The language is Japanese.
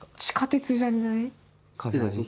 地下鉄じゃない？かな。